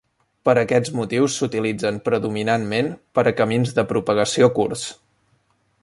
Per aquests motius s'utilitzen predominantment per a camins de propagació curts.